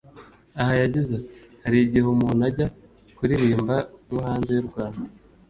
Aha yagize ati “Hari igihe umuntu ajya kuririmba nko hanze y’u Rwanda